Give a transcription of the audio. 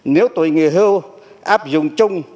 nếu tuổi nghỉ hưu áp dụng chung